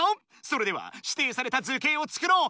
それではしていされた図形を作ろう！